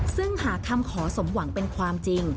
ซึ่งหากคำขอสมหวังเป็นความจริง